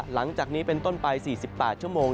หลังจากนี้เป็นต้นไป๔๘ชั่วโมง